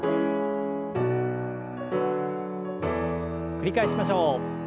繰り返しましょう。